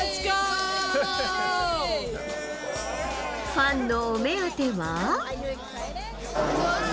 ファンのお目当ては。